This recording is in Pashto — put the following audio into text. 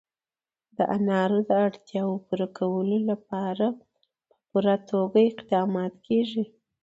د انارو د اړتیاوو پوره کولو لپاره په پوره توګه اقدامات کېږي.